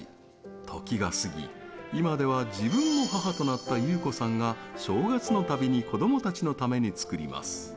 時が過ぎ、今では自分も母となった祐子さんが正月のたびに子どもたちのために作ります。